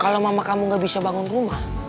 kalau mama kamu gak bisa bangun rumah